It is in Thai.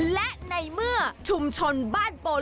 และในเมื่อชุมชนบ้านโปน